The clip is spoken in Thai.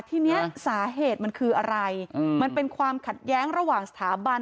ทีนี้สาเหตุมันคืออะไรมันเป็นความขัดแย้งระหว่างสถาบัน